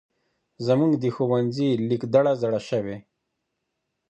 زمونږ د ښونځې لېک دړه زاړه شوی.